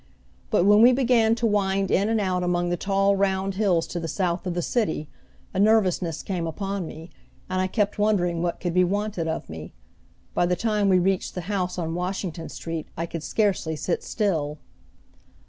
But when we began to wind in and out among the tall round hills to the south of the city a nervousness came upon me, and I kept wondering what could be wanted of me. By the time we reached the house on Washington Street I could scarcely sit still.